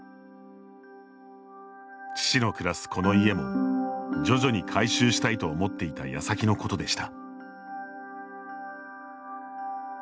父の暮らすこの家も徐々に改修したいと思っていたやさきのことでした。